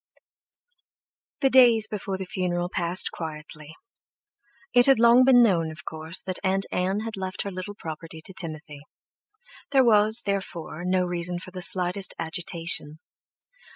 The days before the funeral passed quietly. It had long been known, of course, that Aunt Ann had left her little property to Timothy. There was, therefore, no reason for the slightest agitation.